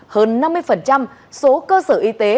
hơn năm mươi số cơ sở y tế